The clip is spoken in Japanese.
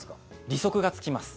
利息がつきます。